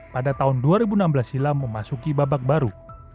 pada tahun dua ribu enam belas silam memasuki babak baru